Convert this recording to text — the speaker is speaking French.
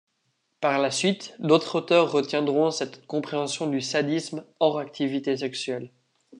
Par la suite, d'autres auteurs retiendront cette compréhension du sadisme hors activité sexuelle.